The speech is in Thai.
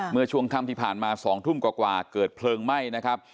เมื่อช่วงค่ำที่ผ่านมา๒ทุ่มกว่าเกิดเพลิงไหม้นะครับ